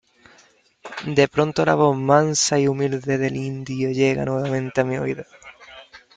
de pronto la voz mansa y humilde del indio llega nuevamente a mi oído .